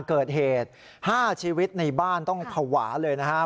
เกิดเหตุ๕ชีวิตในบ้านต้องภาวะเลยนะครับ